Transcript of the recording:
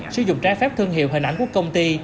sử dụng trái phép thương hiệu hình ảnh của công ty